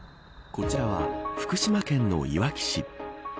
こちらは福島県のいわき市。